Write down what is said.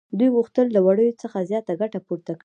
دوی غوښتل له وړیو څخه زیاته ګټه پورته کړي